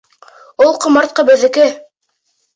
Ул ҡомартҡы беҙҙеке!